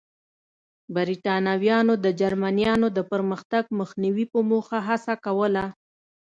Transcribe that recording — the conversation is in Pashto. برېټانویانو د جرمنییانو د پرمختګ مخنیوي په موخه هڅه کوله.